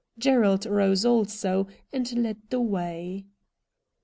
Gerald rose also and led the way.